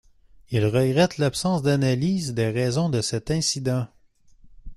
Il regrette l'absence d'analyse des raisons de cet incident.